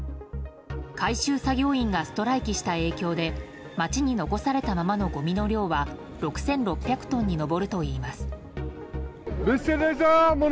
回収作業員がストライキした影響で街に残されたままのごみの量は６６００トンに上るといいます。